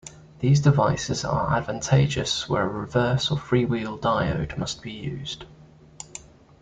These devices are advantageous where a reverse or freewheel diode must be used.